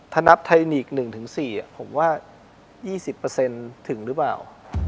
ถ้านับไทยลีก๑๔ผมว่า๒๐ถึงหรือเปล่า